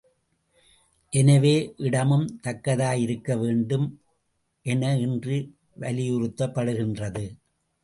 எனவே, இடமும் தக்கதாயிருக்க வேண்டும் என இன்று வலியுறுத்தப் படுகின்றது.